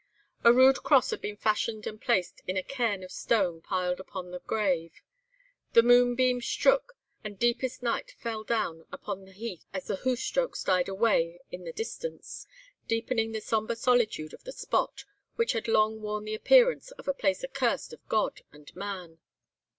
"A rude cross had been fashioned and placed in a cairn of stones piled upon the grave. 'The moonbeam strook, and deepest night fell down upon the heath' as the hoofstrokes died away in the distance, deepening the sombre solitude of the spot, which had long worn the appearance of a place accursed of God and man!"